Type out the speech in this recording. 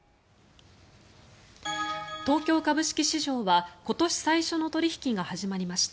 東京株式市場は今年最初の取引が始まりました。